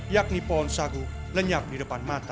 yakni pohon sagu lenyap di depan mata